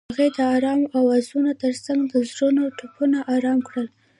هغې د آرام اوازونو ترڅنګ د زړونو ټپونه آرام کړل.